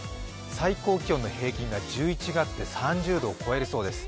最高気温の平均が１１月でも３０度を超えるそうです。